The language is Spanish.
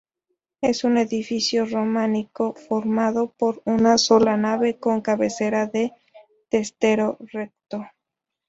Es un edificio románico formado por una sola nave con cabecera de testero recto.